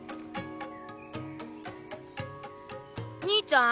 兄ちゃん？